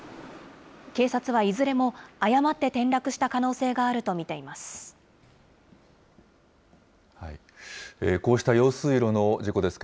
警察はいずれも、誤って転落した可能性があると見ています。